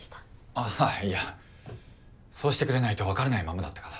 ああいやそうしてくれないとわからないままだったから。